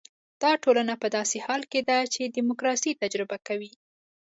دا ټولنه په داسې حال کې ده چې ډیموکراسي تجربه کوي.